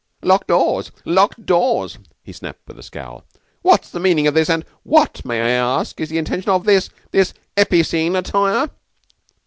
"Locked doors! Locked doors!" he snapped with a scowl. "What's the meaning of this; and what, may I ask, is the intention of this this epicene attire?"